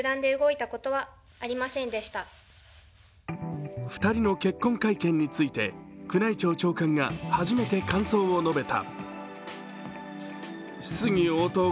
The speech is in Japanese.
一方２人の結婚会見について、宮内庁長官が初めて感想を述べた。